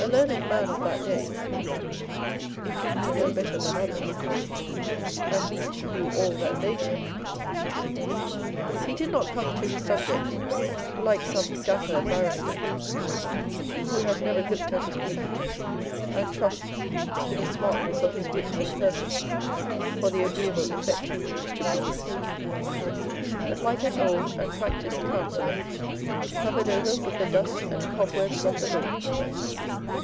A learned man of that day, if he knew no better than others, at least knew all that they did. He did not come On Old English Writers dnd Speakers. 445 to his subject, like some dapper barrister who has never looked at his brief, and trusts to the smartness of his wit and person for the agreeable effect he means to produce, but like an old and practised counsellor, covered over with the dust and cobwebs of the law.